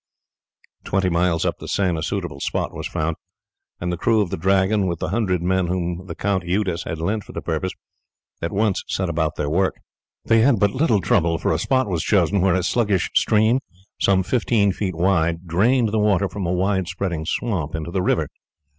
Twenty miles up the Seine a suitable spot was found, and the crew of the Dragon, with the hundred men whom the Count Eudes had lent for the purpose, at once set about their work. They had but little trouble, for a spot was chosen where a sluggish stream, some fifteen feet wide, drained the water from a wide spreading swamp into the river.